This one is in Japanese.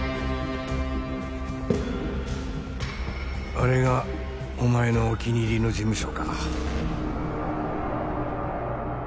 あれがお前のお気に入りの事務所か。